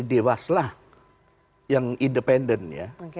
dewaslah yang independen ya